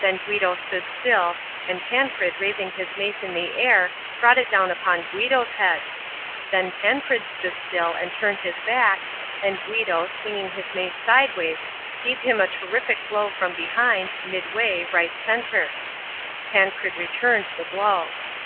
Then Guido stood still, and Tancred raising his mace in the air brought it down upon Guido's head. Then Tancred stood still and turned his back, and Guido, swinging his mace sideways, gave him a terrific blow from behind, midway, right centre. Tancred returned the blow.